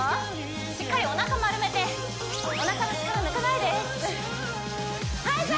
しっかりおなか丸めておなかの力抜かないではいじゃあ